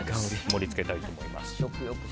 盛り付けたいと思います。